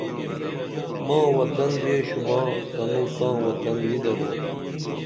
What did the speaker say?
ماں وطن ژے شوباں تنوں تاں وطن نی درو